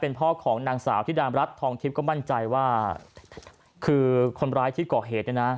พ่อของนางสาวธิดามรัฐทองทิพย์ก็มั่นใจว่าคือคนร้ายที่ก่อเหตุเนี่ยนะ